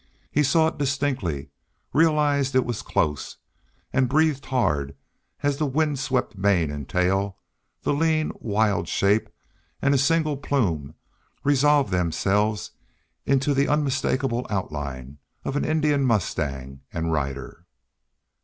He saw it distinctly, realized it was close, and breathed hard as the wind swept mane and tail, the lean, wild shape and single plume resolved themselves into the unmistakable outline of an Indian mustang and rider.